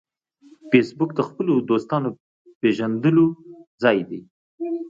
فېسبوک د خپلو دوستانو پېژندلو ځای دی